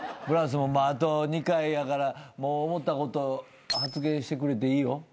ブラスもあと２回やからもう思ったこと発言してくれていいよ。